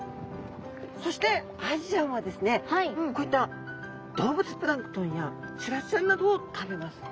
そしてアジちゃんはですねこういった動物プランクトンやシラスちゃんなどを食べます。